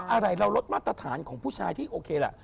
อะไรเราลดมาตรฐานของผู้ชายที่โอเคล่ะ